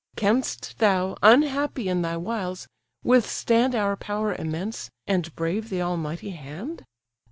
Canst thou, unhappy in thy wiles, withstand Our power immense, and brave the almighty hand?